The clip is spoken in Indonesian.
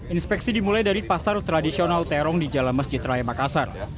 inspeksi dimulai dari pasar tradisional terong di jalan masjid raya makassar